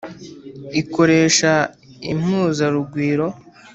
Ikoresha impuzarugwiro.